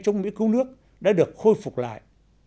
trong mỹ cứu nước đã được khôi phục lại